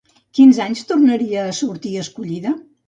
Quins anys tornaria a sortir escollida?